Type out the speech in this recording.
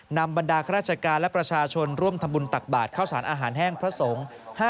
บรรดาข้าราชการและประชาชนร่วมทำบุญตักบาทเข้าสารอาหารแห้งพระสงฆ์